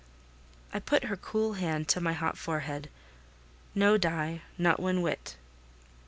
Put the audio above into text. I put her cool hand to my hot forehead; "No, Die, not one whit."